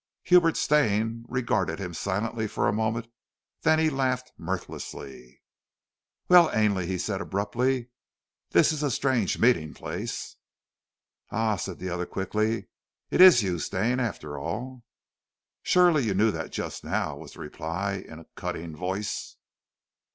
Hubert Stane regarded him silently for a moment, then he laughed mirthlessly. "Well, Ainley," he said abruptly, "this is a strange meeting place." "Ah!" said the other quickly. "It is you, Stane, after all!" "Surely you knew that just now?" was the reply in a cutting voice.